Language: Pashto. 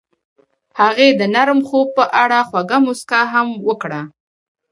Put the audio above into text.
هغې د نرم خوب په اړه خوږه موسکا هم وکړه.